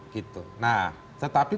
gitu nah tetapi